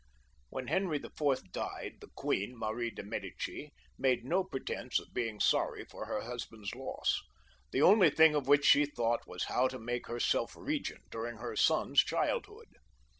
When Henry IV. died, the queen, Marie of Medicis, made no pretence of being sorry for her husband's loss; the only thing of which she thought was how to make herself regent during her son's childhood.